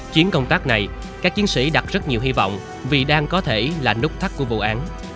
chuyến công tác này các chiến sĩ đặt rất nhiều hy vọng vì đang có thể là nút thắt của vụ án